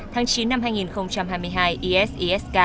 tháng chín năm hai nghìn hai mươi hai isis k